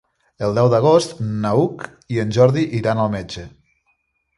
El deu d'agost n'Hug i en Jordi iran al metge.